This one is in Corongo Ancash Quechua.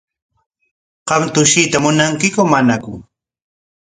¿Qam tushuyta munankiku manaku?